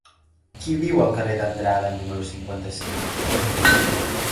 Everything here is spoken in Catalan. Qui viu al carrer d'Andrade número cinquanta-cinc?